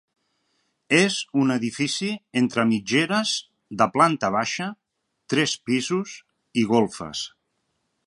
És un edifici entre mitgeres de planta baixa, tres pisos i golfes.